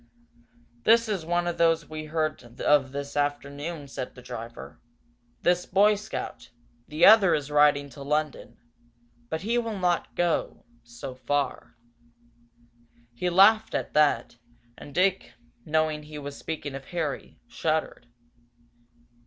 "This is one of those we heard of this afternoon," said the driver. "This Boy Scout. The other is riding to London but he will not go, so far." He laughed at that, and Dick, knowing he was speaking of Harry, shuddered.